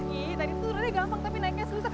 nih tadi turunnya gampang tapi naiknya susah